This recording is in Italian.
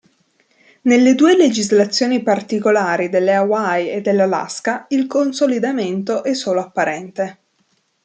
Nelle due legislazioni particolari delle Hawaii e dell’Alaska, il consolidamento è solo apparente.